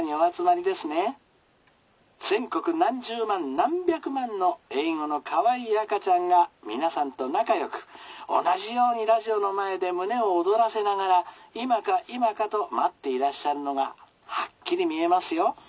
全国何十万何百万の英語のかわいい赤ちゃんが皆さんと仲よく同じようにラジオの前で胸を躍らせながら今か今かと待っていらっしゃるのがはっきり見えますよ。